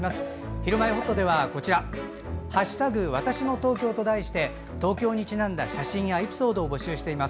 「ひるまえほっと」では「＃わたしの東京」と題して東京にちなんだ写真やエピソード募集しています。